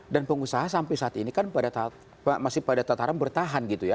dan pengusaha sampai saat ini kan masih pada tataran bertahan gitu ya